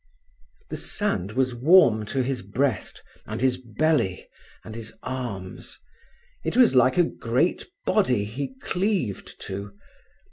The sand was warm to his breast, and his belly, and his arms. It was like a great body he cleaved to.